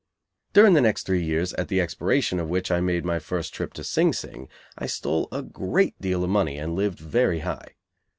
During the next three years, at the expiration of which I made my first trip to Sing Sing, I stole a great deal of money and lived very high.